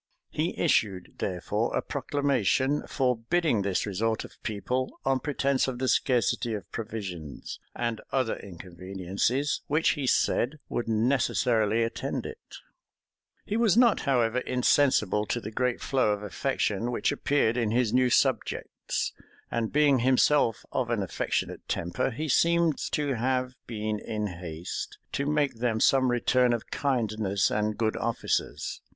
He issued, therefore, a proclamation, forbidding this resort of people, on pretence of the scarcity of provisions, and other inconveniencies, which, he said, would necessarily attend it.[*] * Kennet, p. 662. He was not, however, insensible to the great flow of affection which appeared in his new subjects; and being himself of an affectionate temper, he seems to have been in haste to make them some return of kindness and good offices.